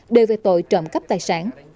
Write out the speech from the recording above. đều về tội trộm cắp tài sản